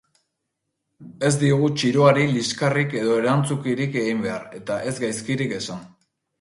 Ez diogu txiroari liskarrik edo erantzukirik egin behar eta ez gaizkirik esan.